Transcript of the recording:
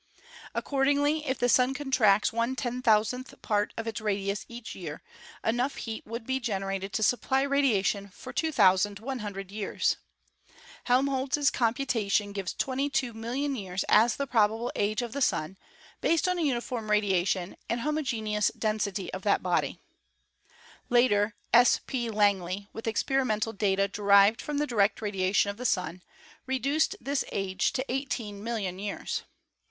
Accordingly, if the Sun contracts one ten thousandth part of its radius each year, enough heat would be generated to supply radia tion for 2,100 years. Helmholtz' computation gives twenty two million years as the probable age of the Sun, based on a uniform radiation and homogeneous density SOLAR ENERGY 117 of that body. Later, S. P. Langley, with experimental data derived from the direct radiation of the Sun, reduced this age to eighteen million years.